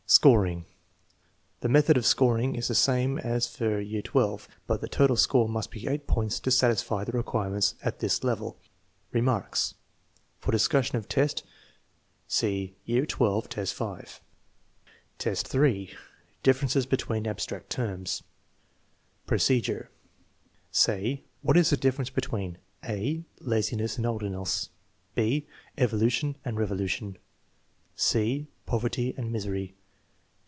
Scoring. The method of scoring is the same as for XII, but the total score must be 8 points to satisfy the re quirements at this level. Remarks. For discussion of test, see XII, 5. Average adult, 3 : differences between abstract terms Procedure, Say: What is the difference between: (a) Laziness and idleness? (I) Evolution and revolution? (c) Poverty and misery?